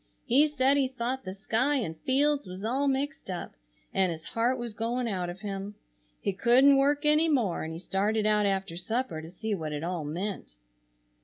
He said he thought the sky and fields was all mixed up and his heart was going out of him. He couldn't work any more and he started out after supper to see what it all meant.